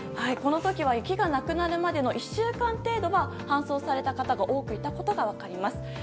この時は雪がなくなるまでの１週間程度は搬送された方が多くいたことが分かります。